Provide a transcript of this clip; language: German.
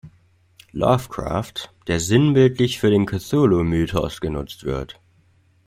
Lovecraft, der sinnbildlich für den Cthulhu-Mythos genutzt wird